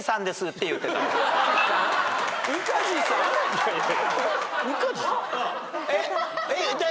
いやいや。